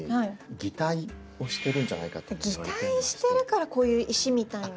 擬態してるからこういう石みたいな。